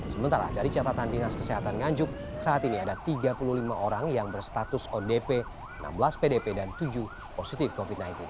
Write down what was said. sementara dari catatan dinas kesehatan nganjuk saat ini ada tiga puluh lima orang yang berstatus odp enam belas pdp dan tujuh positif covid sembilan belas